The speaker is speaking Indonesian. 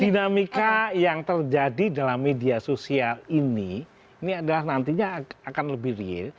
dinamika yang terjadi dalam media sosial ini ini adalah nantinya akan lebih real